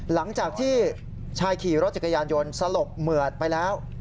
หลังจากที่ชายขี่รถจักรยานยนต์สลบเหมือดไปแล้ว